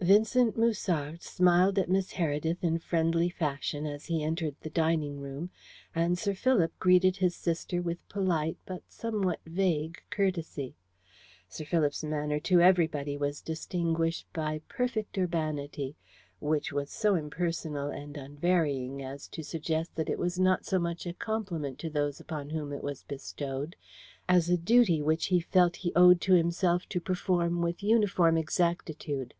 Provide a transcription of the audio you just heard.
Vincent Musard smiled at Miss Heredith in friendly fashion as he entered the dining room, and Sir Philip greeted his sister with polite, but somewhat vague courtesy. Sir Philip's manner to everybody was distinguished by perfect urbanity, which was so impersonal and unvarying as to suggest that it was not so much a compliment to those upon whom it was bestowed as a duty which he felt he owed to himself to perform with uniform exactitude.